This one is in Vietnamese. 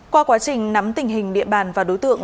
qua quá trình nắm tình hình địa bàn và đối tượng